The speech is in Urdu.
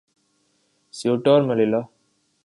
سیئوٹا اور میلیلا